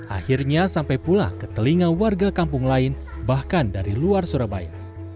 akhirnya sampai pula ke telinga warga kampung lain bahkan dari luar surabaya